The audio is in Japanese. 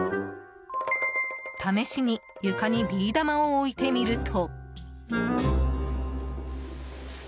試しに、床にビー玉を置いてみると。